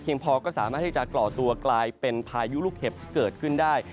พอก็สามารถที่จะก่อตัวกลายเป็นพายุลูกเห็บเกิดขึ้นได้